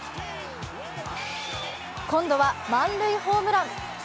今度は満塁ホームラン。